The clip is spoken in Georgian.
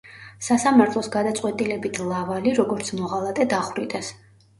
სასამართლოს გადაწყვეტილებით ლავალი, როგორც მოღალატე დახვრიტეს.